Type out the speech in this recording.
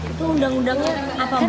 itu undang undangnya apa mbak